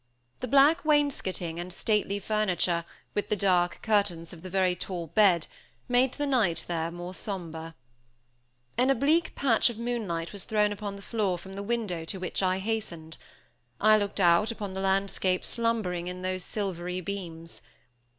The black wainscoting and stately furniture, with the dark curtains of the very tall bed, made the night there more somber. An oblique patch of moonlight was thrown upon the floor from the window to which I hastened. I looked out upon the landscape slumbering in those silvery beams.